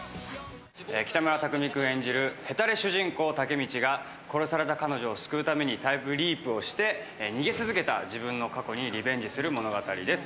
北村匠海君が演じるヘタレ主人公・武道が殺された彼女を救うためにタイムリープをして、逃げ続けた自分の過去にリベンジする物語です。